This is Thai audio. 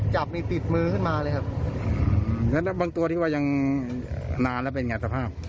จับนี่ปิดมือขึ้นมาเลยครับแล้วบางตัวที่ว่ายังนานแล้วเป็นไงสภาพ